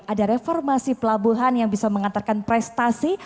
ada reformasi pelabuhan yang bisa mengantarkan prestasi